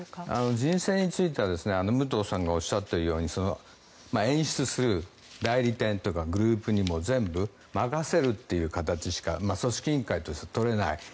人選については武藤さんがおっしゃっているように演出する代理店とかグループに全部任せるという形しか組織委員会として取れない。